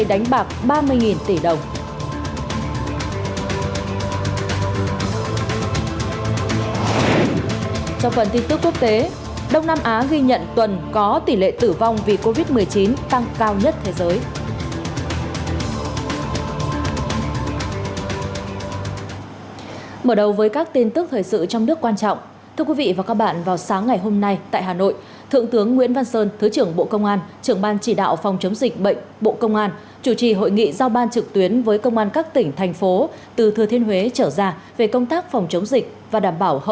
các tỉnh thành phố từ thừa thiên huế trở ra về công tác phòng chống dịch và đảm bảo hậu cần phòng chống dịch covid một mươi chín